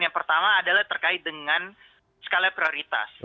yang pertama adalah terkait dengan skala prioritas